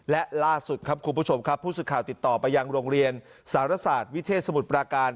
และล่าสุดครับคุณผู้ชมครับผู้สื่อข่าวติดต่อไปยังโรงเรียนสารศาสตร์วิเทศสมุทรปราการ